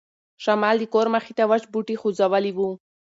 شمال د کور مخې ته وچ بوټي خوځولي وو.